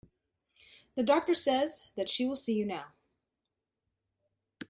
The doctor says that she will see you now.